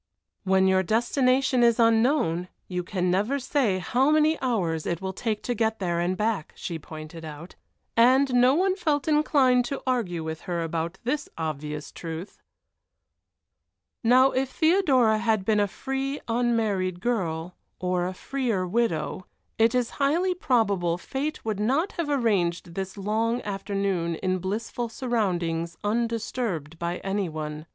When your destination is unknown you can never say how many hours it will take to get there and back, she pointed out. And no one felt inclined to argue with her about this obvious truth! Now if Theodora had been a free unmarried girl, or a freer widow, it is highly probable fate would not have arranged this long afternoon in blissful surroundings undisturbed by any one.